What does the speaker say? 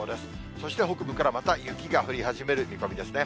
そして北部からまた雪が降りはじめる見込みですね。